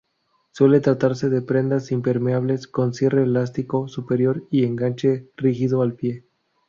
Suele tratarse de prendas impermeables con cierre elástico superior y enganche rígido al pie.